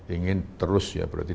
ingin terus ya berarti